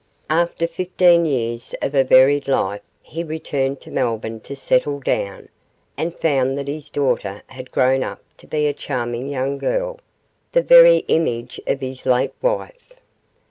After fifteen years of a varied life he returned to Melbourne to settle down, and found that his daughter had grown up to be a charming young girl, the very image of his late wife.